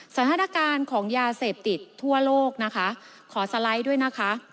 สถานการณ์ของยาเสพติดทั่วโลกนะคะขอสไลด์ด้วยนะคะ